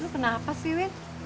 kenapa sih win